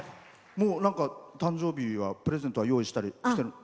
誕生日はプレゼントは用意したりしてるの？